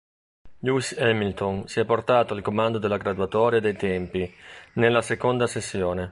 Lewis Hamilton si è portato al comando della graduatoria dei tempi, nella seconda sessione.